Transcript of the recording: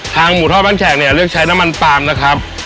หมูทอดบ้านแขกเนี่ยเลือกใช้น้ำมันปาล์มนะครับ